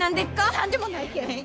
何でもないけん。